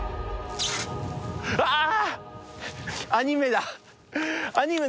ああ！